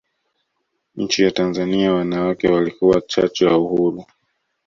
nchi ya Tanzania wanawake walikuwa chachu ya uhuru